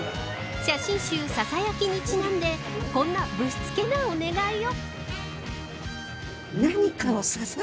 写真集ささやきにちなんでこんなぶしつけなお願いを。